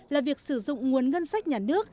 là việc sử dụng nguồn ngân sách nhà nước